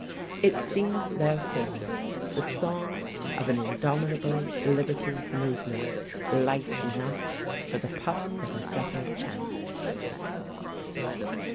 It seems, therefore, the song of an indomitable liberty of movement, light enough for the puffs of a zephyr chance.